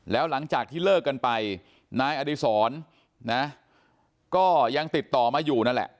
แล้วหลังจากที่เลิกกันไปนายอดีศรนะก็ยังติดต่อมาอยู่นั่นแหละ